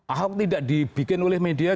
ahok tidak dibikin oleh media